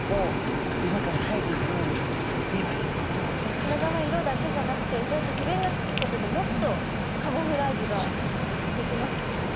確かに体の色だけじゃなくてそうやって皮弁がつくことでもっとカモフラージュができますもんね。